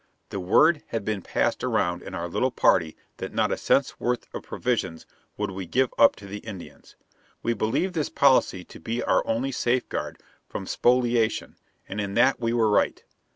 The word had been passed around in our little party that not a cent's worth of provisions would we give up to the Indians. We believed this policy to be our only safeguard from spoliation, and in that we were right.